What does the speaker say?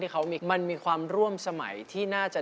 ที่เขามีความร่วมสมัยที่น่าจะ